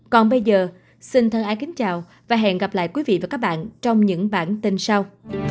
còn bây giờ xin thân ái kính chào và hẹn gặp lại quý vị và các bạn trong những bản tin sau